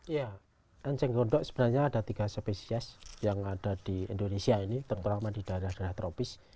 ya enceng gondok sebenarnya ada tiga spesies yang ada di indonesia ini terutama di daerah daerah tropis